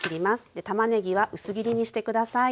でたまねぎは薄切りにして下さい。